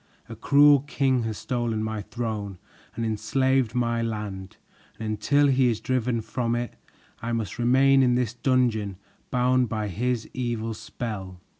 A cruel king has stolen my throne and enslaved my land, And until he is driven from it, I must remain in this dungeon, bound by his evil spell.